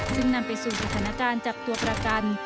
ซึ่งนำไปสู่สถานการณ์จับตัวประกัน